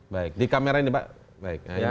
baik di kameranya pak